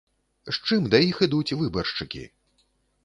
З чым да іх ідуць выбаршчыкі?